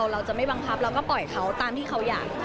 เราจะไม่บังคับเราก็ปล่อยเขาตามที่เขาอยาก